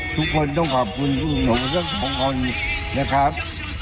ทุกคนต้องขอบคุณผู้สูงสัก๒คนนะครับ